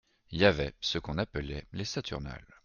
Y avait ce qu’on appelait les Saturnales.